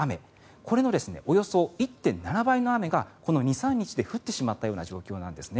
このおよそ１．７倍の雨がこの２３日で降ってしまったような状況なんですね。